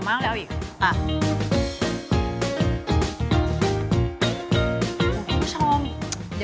บ้างแล้วอีกยิ้มมากเลยอ่ะ